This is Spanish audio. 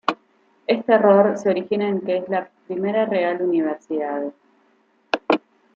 Este error se origina en que es la primera real universidad.